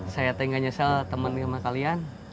saya tinggal nyesel teman sama kalian